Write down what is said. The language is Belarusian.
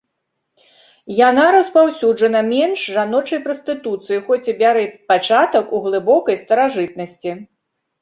Яна распаўсюджана менш жаночай прастытуцыі, хоць і пярэ пачатак у глыбокай старажытнасці.